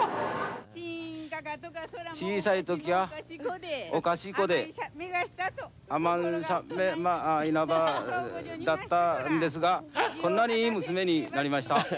小さいときはおかしい子だったんですがこんなにいい娘になりました。